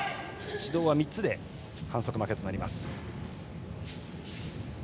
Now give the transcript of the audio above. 指導は３つで反則負けとなります。